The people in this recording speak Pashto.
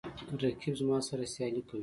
رقیب زما سره سیالي کوي